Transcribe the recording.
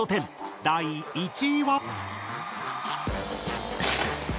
第１位は。